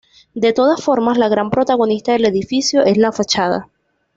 De todas formas, la gran protagonista del edificio es la fachada.